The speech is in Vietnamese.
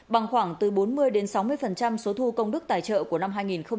bằng khoảng từ bốn mươi sáu mươi số thu công đức tài trợ của năm hai nghìn một mươi chín